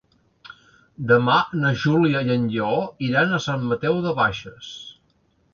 Demà na Júlia i en Lleó iran a Sant Mateu de Bages.